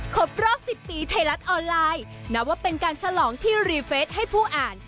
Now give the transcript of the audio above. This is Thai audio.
ครบรอบ๑๐ปีไทยรัฐออนไลน์นับว่าเป็นการฉลองที่รีเฟสให้ผู้อ่าน